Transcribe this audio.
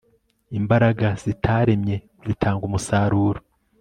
imbaraga zitaremye zitanga umusaruro